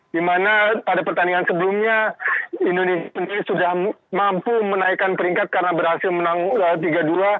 di mana pada pertandingan sebelumnya indonesia sudah mampu menaikkan peringkat karena berhasil menang tiga dua